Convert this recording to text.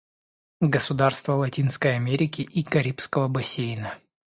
Государства Латинской Америки и Карибского бассейна.